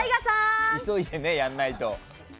急いでやらないと。